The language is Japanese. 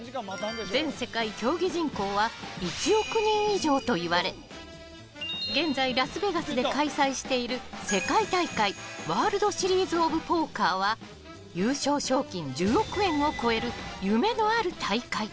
全世界競技人口は１億人以上といわれ現在、ラスベガスで開催している世界大会ワールドシリーズオブポーカーは優勝賞金１０億円を超える夢のある大会。